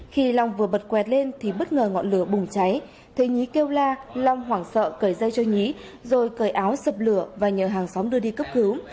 khi long vừa bật quẹt lên thì bất ngờ ngọn lửa bùng cháy thấy nhí kêu la long hoảng sợ cởi dây cho nhí rồi cởi áo sập lửa và nhờ hàng xóm đưa đi cấp cứu